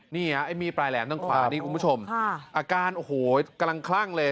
นี่ไอ้มีปลายแหลมตั้งขวานี่คุณผู้ชมอาการโอ้โหกลังเลย